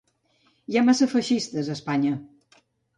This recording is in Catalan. Hi ha massa feixistes a Espanya.